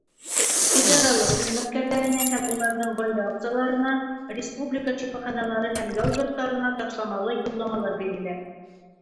Идаралыҡ хеҙмәткәрҙәренә һәм уларҙың ғаилә ағзаларына республика шифаханалары һәм ял йорттарына ташламалы юлламалар бирелә.